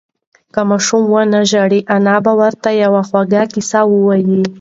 که ماشوم ونه ژاړي، انا به ورته یوه خوږه قصه ووایي.